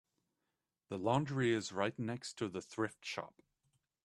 The laundry is right next to the thrift shop.